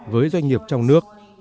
với doanh nghiệp trong nước